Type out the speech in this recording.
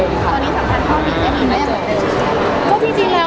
วันนี้ต้องทำความผิดว่าใกล้ไหม